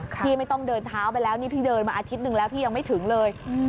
พี่ไม่ต้องเดินเท้าไปแล้วนี่พี่เดินมาอาทิตย์หนึ่งแล้วพี่ยังไม่ถึงเลย